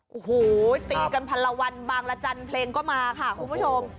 โอ้โหตีกันพันละวันบางละจันทร์เพลงก็มาค่ะคุณผู้ชม